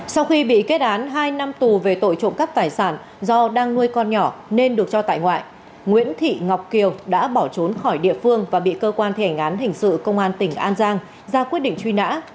sau khi bị kết án hai năm tù về tội trộm cắp tài sản do đang nuôi con nhỏ nên được cho tại ngoại nguyễn thị ngọc kiều đã bỏ trốn khỏi địa phương và bị cơ quan thi hành án hình sự công an tỉnh an giang ra quyết định truy nã